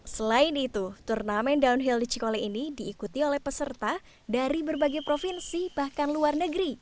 selain itu turnamen downhill di cikole ini diikuti oleh peserta dari berbagai provinsi bahkan luar negeri